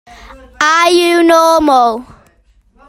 Are You Normal?